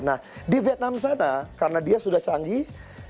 nah di vietnam sana karena dia sudah canggih